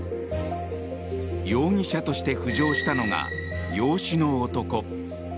容疑者として浮上したのが養子の男。